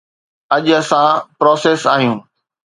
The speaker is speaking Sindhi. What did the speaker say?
اڄ اسان پراسيس آهيون.